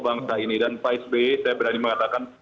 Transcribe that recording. bangsa ini dan pak sby saya berani mengatakan